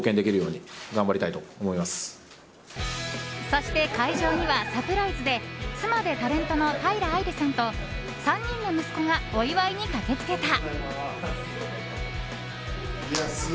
そして会場にはサプライズで妻でタレントの平愛梨さんと３人の息子がお祝いに駆けつけた。